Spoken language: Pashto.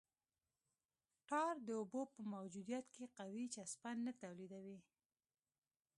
ټار د اوبو په موجودیت کې قوي چسپش نه تولیدوي